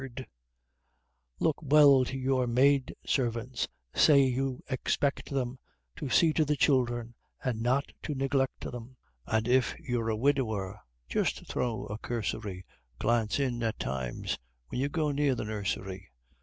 _ Look well to your Maid servants! say you expect them To see to the children, and not to neglect them! And if you're a widower, just throw a cursory Glance in, at times, when you go near the Nursery.